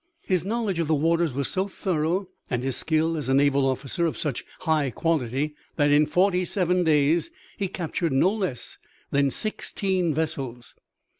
His knowledge of the waters was so thorough and his skill as a naval officer of such high quality that in forty seven days he captured no less than sixteen vessels.